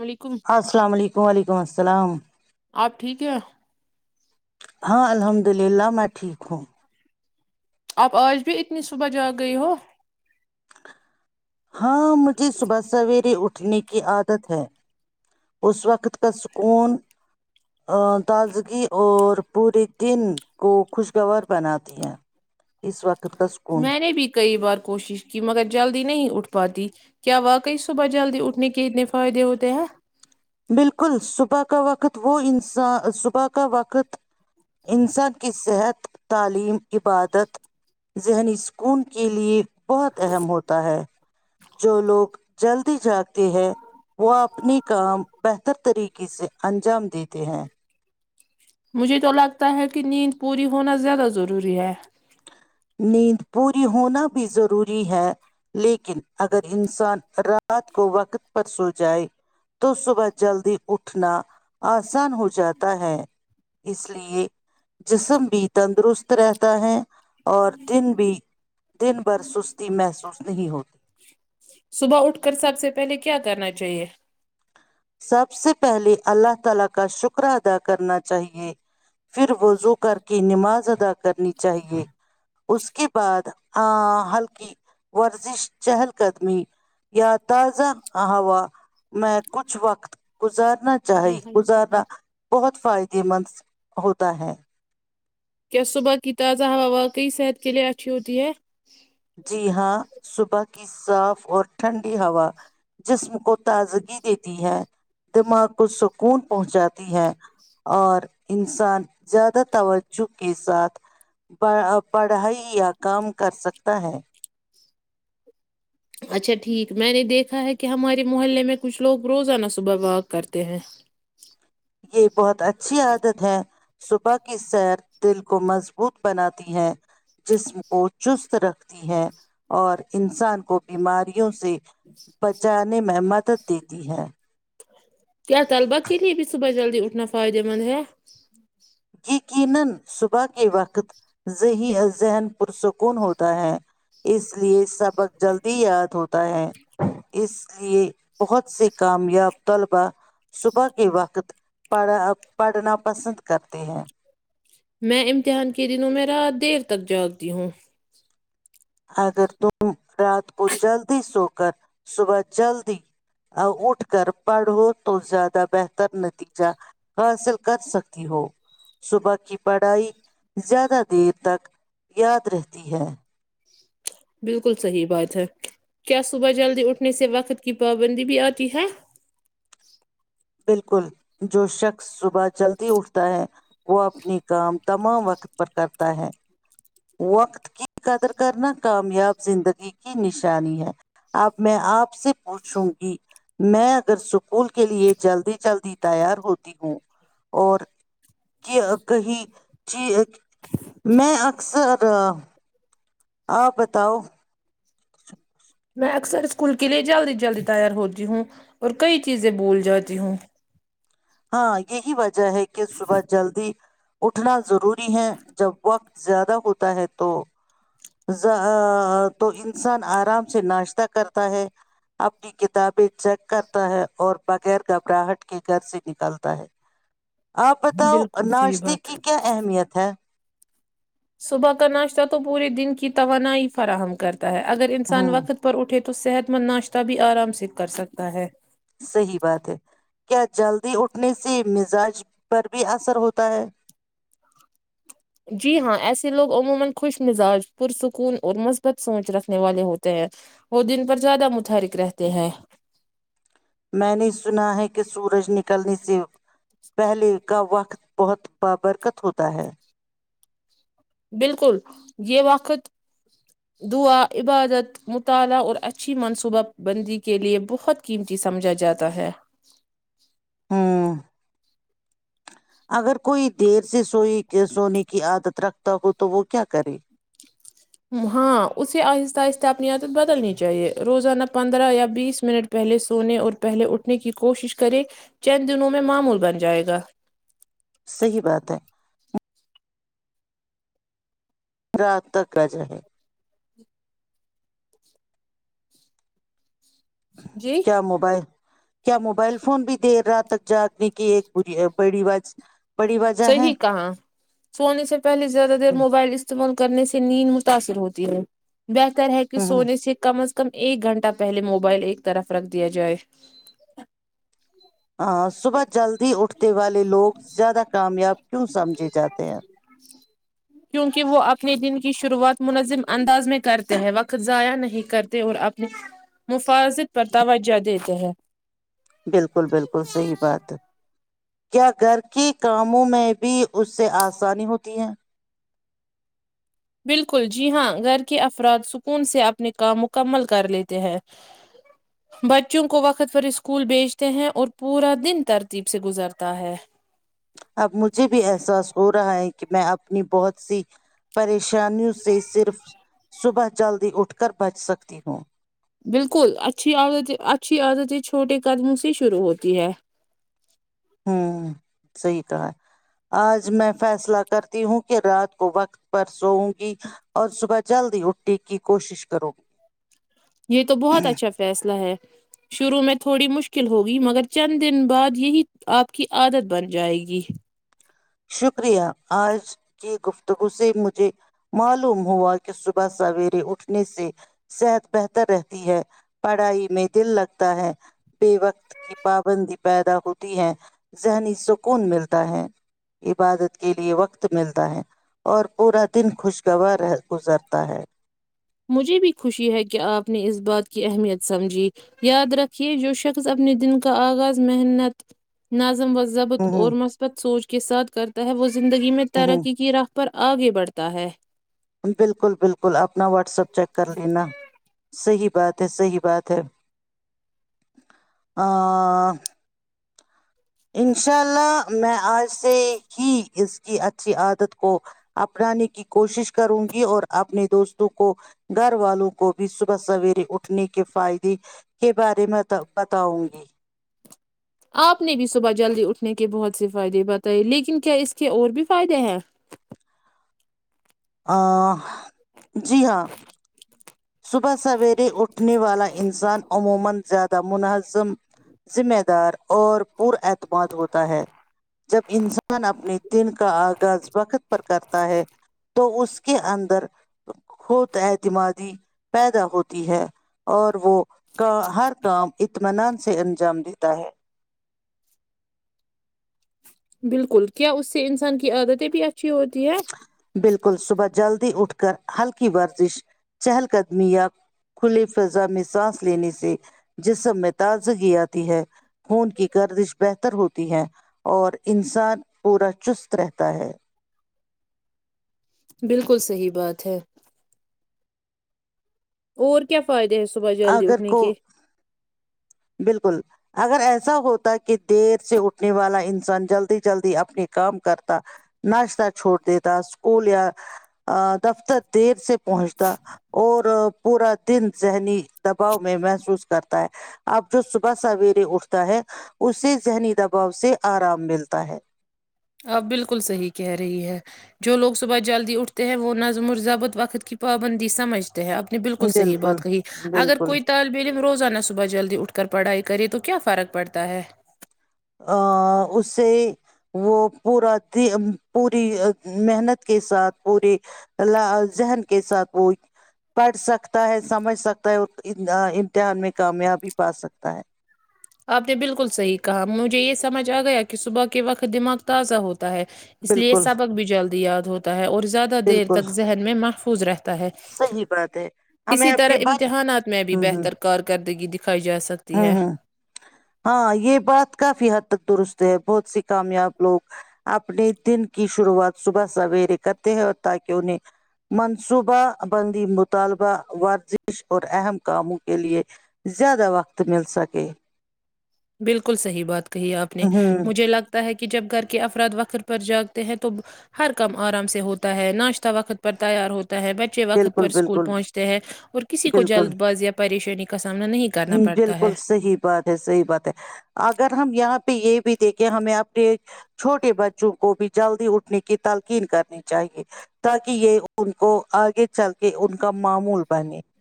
وعلیکم سلگ [unintelligible] آپ ٹھیک ہیں ہاں الحمد للہ میں ٹھیک ہوں آپ آج بھی اتنی صبح جا گئی ہو ہاں مجھے صبح سویرے اٹھ نے کی عادت ہے اس وقت کا سکون تازگی اور پورے دن کو خوشگوار بناتی ہے اس وقت کا سکون میں نے بھی کئی بار کوشش کی مگر جلدی نہیں اٹھ پاتی کیا واقعی صبح جلدی اٹھنے کے اتنے فائدے ہوتے ہیں بالکل صبح کا وقت وہ انسان صبح کا وقت انسان کی صحت تعلیم عبادت ذہنی سکون کے لیے بہت اہم ہوتا ہے جو لوگ جلدی جاگے ہے وہ اپنے کام بہتر طریقے سے انجام دیتے ہیں مجھے تو لگتا ہے کہ نیند پوری ہونا زیادہ ضروری ہے نیند پوری ہونا بھی ضروری ہے لیکن اگر انسان رات کو وقت پر سو جائے تو صبح جلدی اٹھنا آسان ہو جاتا ہے اس لیے جسم بھی تندرست رہتا ہے اور دن بھی دن پر سستی محسوس نہیں ہوتی صبح اٹھ کر سب سے پہلے کیا کرنا چاہیے سب سے پہلے اللہ تعالی کا شکر ادا کرنا چاہیے پھر وضو کر کے نماز ادا کرنی چاہیے اس کی بات ہاں ہلکی ورزش جہل قدمی یا تازہ اوا میں کچھ وقت گزارنا چاہے گزارنا بہت فائدہ یہ من ہوتا ہے کیا صبح کی تازہ ہوا واقعی صحت کے لئے اچھی ہوتی ہے؟ جی ہاں صبح کی صاف اور ٹھنڈی ہوا جسم کو تازگی دیتی ہے دماغ کو سکون پہنچاتی ہے اور انسان زیادہ توجہ کے ساتھ پڑھائی یا کام کر سک ہے [unintelligible] اچھا ٹھیک میں نے دیکھا ہے کہ ہمارے محلے میں کچھ لوگ روزانہ صبح واک کرتے ہیں یہ بہت اچھی عادت ہے صبح کی سیر دل کو مضبوط بناتی ہے جسم کو چست رکھتی ہیں اور انسان کو بیماری وں سے بچا [unintelligible] میں مدد دی دی ہے کیا طلبہ کے لیے بھی صبح جلدی اٹھنا فائدے مند ہے یقینا صبح کے وقت یہی ذہن پرسکون ہوتا ہے اس لیے سب بس جلدی ہی آیا تھ ہے اس لیے بہت سے کامیاب طلباء صبح کے وقت پڑھا پڑھنا پسند کر ہیں میں امتحان کے دنوں میں رات دیر تک جاگتی ہوں اگر تم رات کو جلدی سو کر صبح جلدی اٹھ کر پڑھو تو زیادہ بہتر نتیجہ بالکل صحیح بات ہے کیا صبح جلدی اٹھنے سے وقت کی پابندی بھی آتی ہے بالکل جو شخص س ب چلتی اٹھتا ہے وہ اپنی کام تمام وقت پر کرتا ہے وقت کی قدر کرنا کامیاب زندگی کی نشانی ہے اب میں آپ سے پوچھوں گی میں اگر سکول کے لیے جلدی جلدی تیار ہوتی ہوں اور کہی چ میں اکثر آپ بتاؤ میں اکثر اسکول کے لیے جلدی جلدی تیار ہوتی ہوں اور کئی چیزیں بھول جاتی ہوں ہاں یہی بات ج ہے کہ صبح جلدی اٹھنا ضرور ہیں جب وقت [unintelligible] زیادہ ہوتا ہے تو تو انسان آرام سے ناشتہ کرتا ہے اپنی کتابیں چیک کرتا ہے اور بغیر گھبراہٹ کے گھر سے نکالتا ہے آپ بتاؤ بالکل صحیح ناشتے بات کی کیا اہمیت ہے صبح کا ناشتہ تو پورے دن کی توانائی فراہم کرتے ہے اگر انسان ہوں وقت پر اٹھے تو تو صحت مند ناشتہ بھی آرام سے کر سکتا ہے صحیح بات ہے کیا جلدی اٹھنے سے مزاج پر بھی اثر ہوتا ہے [unintelligible] میں نے سنا ہے کہ سورج نکلنے سے پہلے کا وقت بہت بابرکت ہوتا ہے بالکل یہ وقت دعا عبادت مطالعہ اور اچھی منصوبہ بندی کےلئے بہت قیمتی سمجھا جاتا ہے ہوں اگر کوئی دیر سے سو سونے کی عادت رکھتا ہو تو وہ کیا کرے ہاں اسے آہستہ آہستہ اپنی عادت بدلنی چاہیے روزانہ پندرہ یا بیس منٹ پہلے سونے اور پہلے اٹھنے کی کوشش کرے چند دنوں میں معمول بن جائے گا صحی بات ہے رات تک آجے جی کیا موبائل [unintelligible] کیا موبائل فون بھی دیر رات تک جاگنے کی ایک ب بڑی بات صحیح کہاں سونے سے پہلے زیادہ دیر موبائل استعمال کرنے سے نیند متاثر ہوتی ہے بہتر ہےیکہ ہوں سونس یہ کمس کم ایک گھنٹہ پہلے موبائل ایک طرف رکھ دیا جائے ہاں صبح جلدی اٹھتے والے لوگ زیادہ کامیاب کیوں سمجھی جاتے ہیں کیونکہ وہ اپنے دن کی شروعات منظم انداز میں کرتے ہیں وقت ضائع نہیں کرتے اور اپنی مفاظت پر توجہ دیتے ہیں بالکل بالکل صحیح بات کیا گھر کے کاموں میں بھی اسے آسانی ہوتی ہے بالکل جی ہاں گھر کے افراد سکون سے اپنے کام مکمل کر لیتے ہیں بچوں کو وقت پر اسکول بھیجتے ہیں اور پورا دن ترتیب سے گزرتا ہے اب مجھے بھی احساس ہو رہا ہے کہ میں اپنی بہت سی پش شانیوں سے صرف صبح کے جلدی اٹھ کر بچ سکتی ہوں بالکل اچھی عادتیں چھوٹے قدموں سے شروع ہوتی ہیں ہوں صحیح کہا آج میں فیصلہ کرتی ہوں کہ رات کو وقت پر سووں گی اور صبح جلدی اٹٹی کی کوشش کروں گی یہ تو بہت اچھا فیصلہ ہے شروع میں تھوڑی مشکل ہوگی مگر چند دن بعد یہی آپ کی عادت بن جائے گی شکریہ آج کی گفتگو سے مجھے معلوم ہوا کہ صبح سویرے اٹھنے سے صحت بہتر رہتی ہے پڑھائی میں دل لگتا ہے بے وقت کی پابندی پیدا ہوتی ہے ذہنی سکون ملتا ہے عبادت کے لیئے وقت ملتا ہے اور پورا دن خوشگوار گزرتا ہے مجھے بھی خوشی ہے کہ آپ نے اس بات کی اہمیت سمجھی یاد رکھیے جو شخص اپنے دن کا آغاز محنت ن و ضبط ہ ہ اورورمث پت سوچ کے ساتھ کرتا ہے وہ زندگی میں ہ ہ ترقی کی راہ پر آگے بڑھتا ہے بالکل بالکل بکل اپنا واٹسپ چیک کر لینا صحیح بات ہے صحیح بات ہے آ انشاء اللہ میں آج سے ہی اس کی اچھی عادت کو اپنانے کی کوشش کروں گی اور اپنے دوستوں کو گھر والوں کو بھی صبح سویرے اٹھنے کے فائدے کے بارے میں بتاؤں گی آپ نے بھی صبح جلدی اٹھنے کے بہت سے فائدے بتائے لیکن کیا اس کے اور بھی فائدے ہیں ہ جی ہاں سب سوری اٹھنے والا انسان عموما زیادہ منظم ذمہ دار اور پر اعتماد ہوتا ہے جب انسان اپنے دن کا آغاز وقت پر کرتا ہے تو اس کے اندر ہوت اعتمادی پیدا ہوتی ہے اور وہ کا ہر کام اطمینان سے انجام دیتا ہے بالکل کیا اس سے انسان کی عادتیں بھی اچھی ہوتی ہے بالکل صبح جلدی اٹھ کر ہلکی ورزش چہل قدمیہ کھلی فضا نظام دینے سے جسم میں دانت سے گھی اتی ہے خون کی گردش بہتر ہوتی ہے اور انسان پورا چست رہتا ہے بالکل صحیح بات ہے اور کیا فائد د صبح جلدی اگر اٹھنے کو کے بالکل اگر ایسا ہوتا کہ دیر سے اٹھنے والا انسان جلدی جلدی اپنے کام کرتا ناشتہ چھوڑ دیتا اسکول یا دفتر دیر سے پہنچتا اور پورا دن ذہنی دباؤ میں محسوس کرتا ہے اب جو صبح سویرے اٹھتا ہے اس سے ذہنی دباؤ سے آرام ملتا ہے آپ بالکل صحیح کہہ رہی ہے جو لوگ صبح جلدی اٹھتے ہیں وہ نظم و ضبط وقت کی پابندی سمجھتے ہے آپ نے بالکل صحی بات کہی اگر بالکل کوئی طالب علم روزانہ صبح جلدی اٹھ کر پڑھائی تو کرے تو کیا فرق پڑتا ہے ا اسے وہ پورا پوری محنت کے ساتھ پوری ذہن کے ساتھ وہ پڑھ سکتا ہے سمجھ سکتا امتحان میں کامیاب بھی پا سکتا ہے آپ نے بالکل صحیح کہا مجھے یہ سمجھ آ گیا کہ صبح کے وقت دماغ تازہ ہوتا [unintelligible] ہے اس لیے بالکل سبق بھی جلدی یاد ہوتا ہے اور زیادہ دیر بالکل تک ذہن میں مفت [unintelligible] حزرت [unintelligible] ہے صحیح بات ہے ہمیں اسی طرح اپنے بات امتحانات میں بھی ہ بہتر ہ کارکردگی دکھ [unintelligible] دکھائی جا سکتی ہ ہے ہ [unintelligible] ہاں یہ بات کافی حد تک درست ہے بہت سی کامیاب لوگ اپنے دن کی شروعات صبح سویرے کرتے ہیں اور تاکہ انہیں منصوبہ بندی مطالبہ ورزش اور اہم کاموں کے لیے زیادہ وقت مل سکے [unintelligible] بالکل صحیح بات [unintelligible] کہ آپ نے ہوں مجھے لگتا ہے کہ [unintelligible] کہ جب گھر کے افراد وقت پر جاگتے ہیں تو ہر کام آرام سے ہوتا ہے ناشتہ وقت پر تیار ہوتا [unintelligible] بچے وقت بالکل پر اسکول بالکل پہنچتے ہیں اور کسی کو بالکل جلد باز یا پریشانی کا سامنا نہیں کرنا پڑتا ہے بالکل [unintelligible] صحیح بات ہے صحیح بات ہے اگر ہم یہاں پہ یہ بھی دیکے ہمیں اپنے چھوٹے بچوں کو بھی جلدی اٹھنے کی تلقین کرنی چاہیے تاکہ یہ ان کو [unintelligible] آگے چل کے ان کا معمول بنے [unintelligible]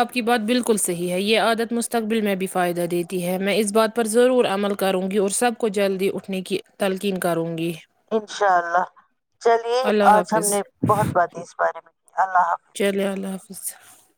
آپ کی بات بالکل صحیح ہے یہ عادت مستقبل میں بھی فائدہ دیتی ہے میں اس بات پر ضرور عمل کروں گی اور سب کو جلدی اٹھنے کی تلقین کروں گی [unintelligible] انشاء اللہ چلیے اللہ آج ہم حافظ نے بہت بات اس بارے میں [unintelligible] حافظ چلے اللہ حافظ [unintelligible] اچھا [unintelligible]